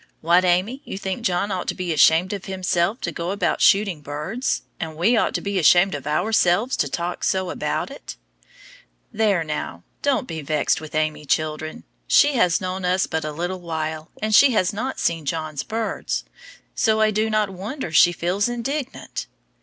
What, Amy, you think John ought to be ashamed of himself to go about shooting birds, and we ought to be ashamed of ourselves to talk so about it? There, now, don't be vexed with Amy, children. She has known us but a little while, and she has not seen John's birds, so I do not wonder she feels indignant.